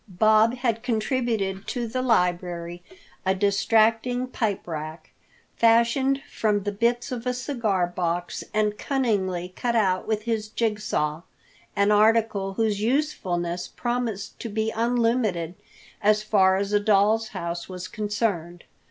Bob had contributed to the library a distracting pipe rack, fashioned from the bits of a cigarbox and cunningly cut out with his jig saw, an article whose usefulness promised to be unlimited as far as a doll's house was concerned.